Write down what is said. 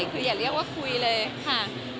คืออย่าเรียกว่าคุยเลยค่ะ